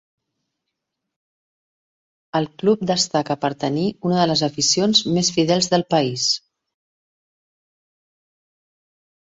El club destaca per tenir una de les aficions més fidels del país.